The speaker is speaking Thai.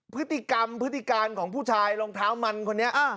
พฤติกรรมพฤติการของผู้ชายรองเท้ามันคนนี้